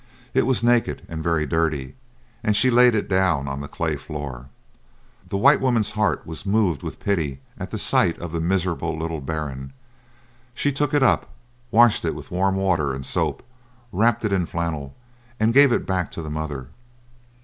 It was naked and very dirty, and she laid it down on the clay floor. The white woman's heart was moved with pity at the sight of the miserable little bairn. She took it up, washed it with warm water and soap, wrapped it in flannel, and gave it back to the mother.